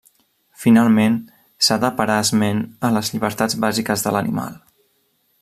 Finalment s'ha de parar esment a les llibertats bàsiques de l'animal.